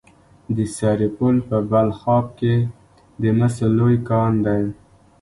د سرپل په بلخاب کې د مسو لوی کان دی.